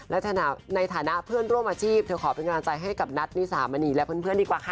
และในฐานะเพื่อนร่วมอาชีพเธอขอเป็นกำลังใจให้กับนัทนิสามณีและเพื่อนดีกว่าค่ะ